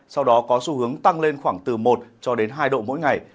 sau đó có xu hướng tăng lên khoảng từ một hai độ mỗi ngày